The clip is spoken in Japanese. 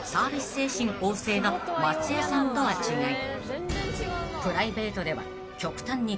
精神旺盛な松也さんとは違い］